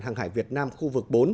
hàng hải việt nam khu vực bốn